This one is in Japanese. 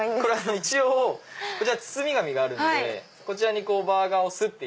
一応包み紙があるんでこちらにバーガーをすって入れていただいて